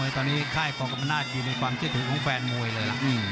ตอนนี้ค่ายปกรรมนาศอยู่ในความเชื่อถือของแฟนมวยเลยล่ะ